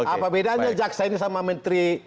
apa bedanya jaksa ini sama menteri